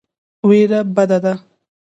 وېره بده ده.